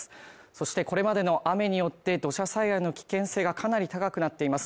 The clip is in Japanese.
そしてこれまでの雨によって土砂災害の危険性がかなり高くなっています。